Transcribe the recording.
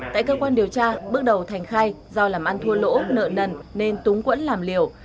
tại cơ quan điều tra bước đầu thành khai do làm ăn thua lỗ nợ nần nên túng quẫn làm liều